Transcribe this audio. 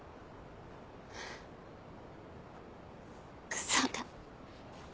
クソが。